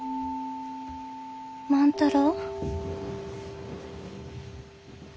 万太郎？